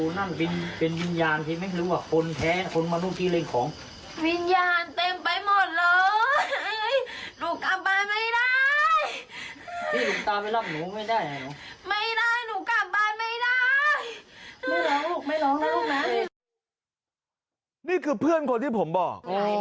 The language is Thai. นี่คือเพื่อนคนที่ผมบอก